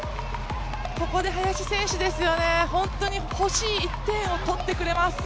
ここで林選手ですよね、本当に欲しい１点を取ってくれます。